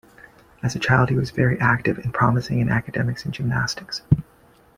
As a child he was very active and promising in academics and gymnastics.